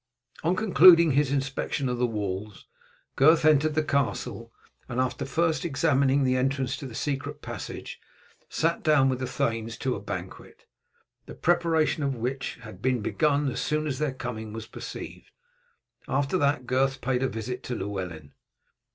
On concluding his inspection of the walls Gurth entered the castle, and after first examining the entrance to the secret passage, sat down with the thanes to a banquet, the preparation of which had been begun as soon as their coming was perceived. After that Gurth paid a visit to Llewellyn.